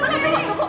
iya tunggu tunggu